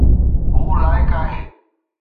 هو لائق آهي